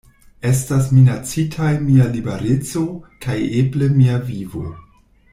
Estas minacitaj mia libereco kaj eble mia vivo.